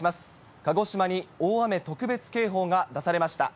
鹿児島に大雨特別警報が出されました。